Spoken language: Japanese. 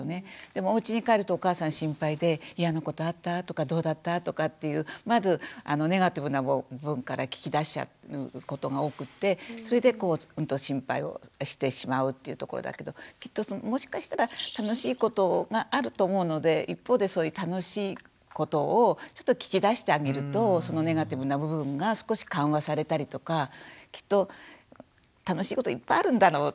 でもおうちに帰るとお母さん心配で「イヤなことあった？」とか「どうだった？」とかっていうまずネガティブな部分から聞き出しちゃうことが多くってそれでこう心配をしてしまうっていうところだけどきっともしかしたら楽しいことがあると思うので一方でそういう楽しいことをちょっと聞き出してあげるとそのネガティブな部分が少し緩和されたりとかきっと楽しいこといっぱいあるんだろうなと思うんですよね。